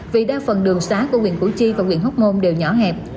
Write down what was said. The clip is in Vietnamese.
vì đa phần đường xá của huyện hủ chi và huyện hóc môn đều nhỏ hẹp